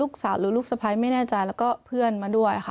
สาวหรือลูกสะพ้ายไม่แน่ใจแล้วก็เพื่อนมาด้วยค่ะ